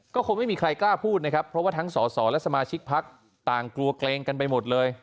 ก็คงไม่มีใครกล้าพูดนะครับเพราะว่าทั้งสอสอและสมาชิกพักต่างกลัวเกรงกันไปหมดเลย